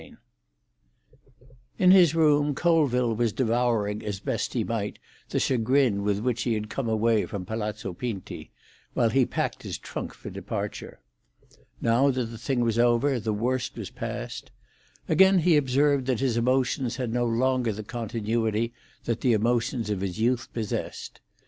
XII In his room Colville was devouring as best he might the chagrin with which he had come away from Palazzo Pinti, while he packed his trunk for departure. Now that the thing was over, the worst was past. Again he observed that his emotions had no longer the continuity that the emotions of his youth possessed.